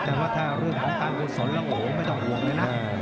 งั้นถ้าถ้าเรื่องของการประวุฒิสนแล้วโหไม่ต้องห่วงเลยนะ